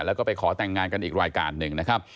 แล้วก็ไปขอแต่งงานกันอีกรายการหนึ่งนะครับ